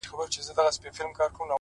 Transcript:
زما د فكر د ائينې شاعره ‘